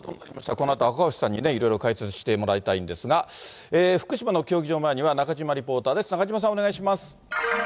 このあと赤星さんにいろいろと解説してもらいたいんですが、福島の競技場前には中島リポーターです。